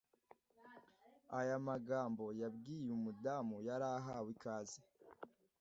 Aya magambo yabwiye umudamu yarahawe ikaze